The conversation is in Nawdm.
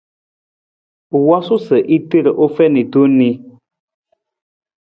U wosuu sa a ter u fiin tong ni.